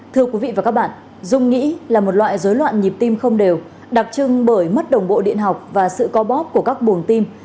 thưa quý vị và các bạn dung nhĩ là một loại dối loạn nhịp tim không đều đặc trưng bởi mất đồng bộ điện học và sự co bóp của các buồng tim